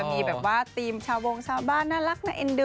มีแบบว่าธีมชาววงชาวบ้านน่ารักน่าเอ็นดู